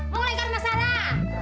mau ngelengkar masalah